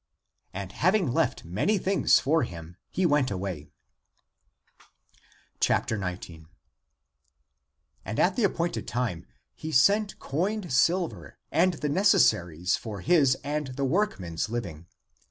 And having left many things for him, he went away. 19. And at the appointed time he sent coined silver and the necessaries for his and the workmen's living.